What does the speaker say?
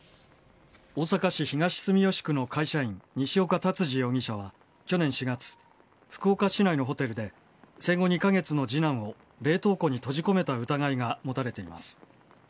大阪市東住吉区の会社員、西岡竜司容疑者は去年４月、福岡市内のホテルで、生後２か月の次男を冷凍庫に閉じ込めた疑いが持たれています。